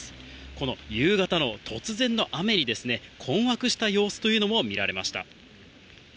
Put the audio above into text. この夕方の突然の雨に、困惑した様子というのも見られました。